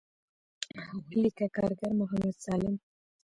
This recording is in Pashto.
وليکه کارګر محمد سالم.